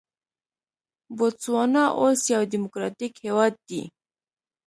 بوتسوانا اوس یو ډیموکراټیک هېواد دی.